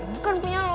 bukan punya lo